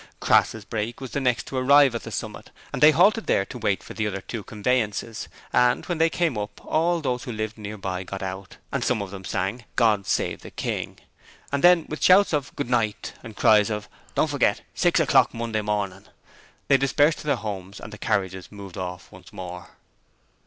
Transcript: Crass's brake was the next to arrive at the summit, and they halted there to wait for the other two conveyances and when they came up all those who lived nearby got out, and some of them sang 'God Save the King', and then with shouts of 'Good Night', and cries of 'Don't forget six o'clock Monday morning', they dispersed to their homes and the carriages moved off once more.